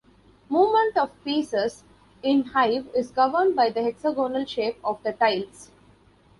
Movement of pieces in "Hive" is governed by the hexagonal shape of the tiles.